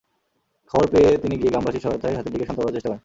খবর পেয়ে তিনি গিয়ে গ্রামবাসীর সহায়তায় হাতিটিকে শান্ত করার চেষ্টা করেন।